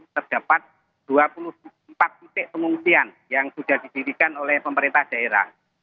terdapat dua puluh empat titik pengungsian yang sudah didirikan oleh pemerintah daerah